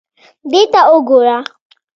دې ته وګوره.